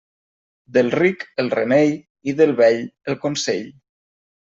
Del ric el remei i del vell el consell.